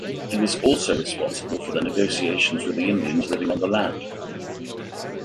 He was also responsible for the negotiations with the Indians living on the land.